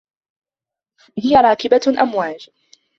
هي راكبة أمواج.